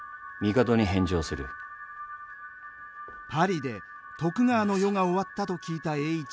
パリで徳川の世が終わったと聞いた栄一。